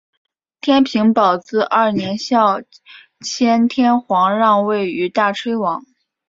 天平宝字二年孝谦天皇让位于大炊王。